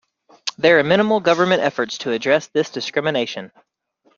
There were minimal government efforts to address this discrimination.